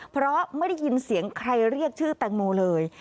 เพราะไม่ได้ยินเสียงใครเรียกชื่อแตงโมเลย